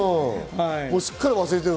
すっかり忘れてる。